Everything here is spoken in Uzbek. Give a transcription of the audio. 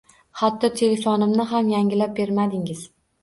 Hatto telefonimni ham yangilab bermadingiz